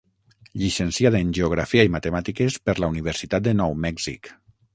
Llicenciat en Geografia i Matemàtiques per la Universitat de Nou Mèxic.